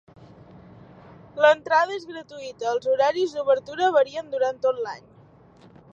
L'entrada és gratuïta, els horaris d'obertura varien durant tot l'any.